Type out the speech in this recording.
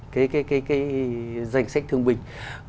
cái danh sách thương binh